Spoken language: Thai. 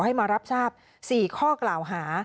ให้มารับทราบ๔ข้อกล่าวหา